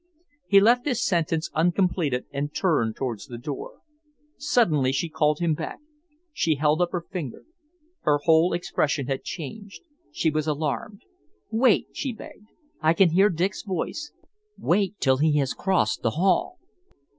He left his sentence uncompleted and turned towards the door. Suddenly she called him back. She held up her finger. Her whole expression had changed. She was alarmed. "Wait!" she begged. "I can hear Dick's voice. Wait till he has crossed the hail."